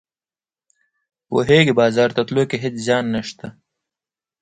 پوهیږې بازار ته تلو کې هیڅ زیان نشته